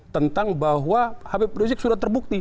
tentang bahwa habib rizik sudah terbukti